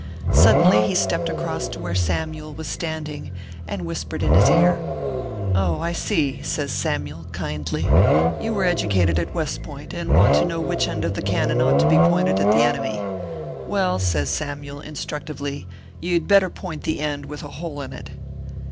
Suddenly he stepped across to where Sarnyule was standing, and whispered in his ear. " 0, I see/ says Samyule, kindly, " you were educated at West Point, and want to know which end of the cannon ought to be pointed at the enemy. Well/ says Samyule, instructively, " you d better point the end with a hole in it."